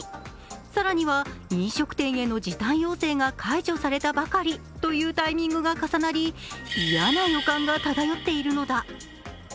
更には飲食店への時短要請が解除されたばかりというタイミングが重なり嫌な予感が漂っているのだ。